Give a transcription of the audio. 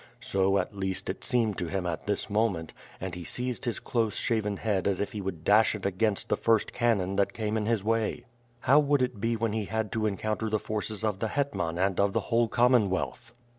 So, at least, it seemed to him at this moment, and he seized his close shaven head as if he would dash it against the 12 1 78 WITH FIRE AND SWORD, first cannon that same in his way. How would it be when he had to encounter the forces of the Hetman and of the whole Commonwealth